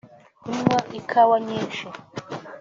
kunywa ikawa nyinshi